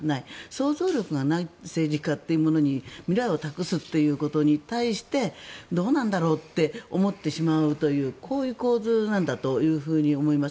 想像力がない政治家というものに未来を託すことに対してどうなんだろうと思ってしまうというこういう構図なんだと思います。